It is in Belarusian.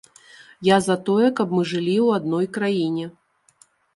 Я за тое, каб мы жылі ў адной краіне.